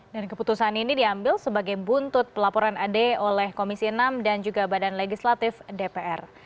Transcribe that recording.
dan keputusan ini diambil sebagai buntut pelaporan ade oleh komisi enam dan juga badan legislatif dpr